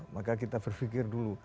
maka kita berpikir dulu